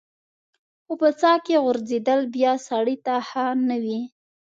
خو په څاه کې غورځېدل بیا سړی ته ښه نه وي.